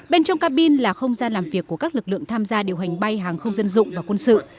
bên trong cabin là không gian làm việc của các lực lượng tham gia điều hành bay hàng không dân dụng và quân sự